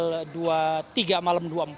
mereka bahkan akan menginap